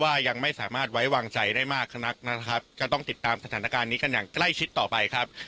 ยังไม่สามารถไว้วางใจได้มากนักนะครับก็ต้องติดตามสถานการณ์นี้กันอย่างใกล้ชิดต่อไปครับ